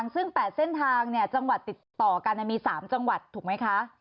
ซึ่ง๘เส้นทางจังหวัดติดต่อกันมี๓จังหวัดถูกไหมคะ